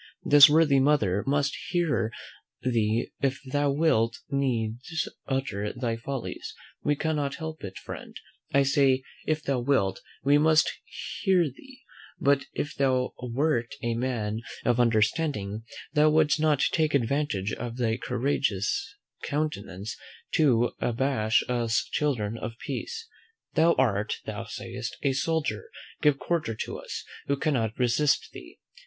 This worthy mother must hear thee if thou wilt needs utter thy follies; we cannot help it, friend, I say: if thou wilt, we must hear thee; but if thou wert a man of understanding, thou wouldst not take advantage of thy courageous countenance to abash us children of peace. Thou art, thou sayest, a soldier; give quarter to us, who cannot resist thee.